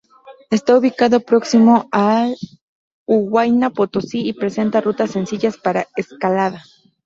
Está ubicado próximo al Huayna Potosí y presenta rutas sencillas para escalada.